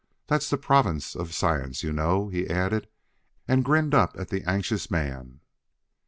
That's the province of science, you know," he added, and grinned up at the anxious man.